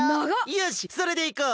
よしそれでいこう！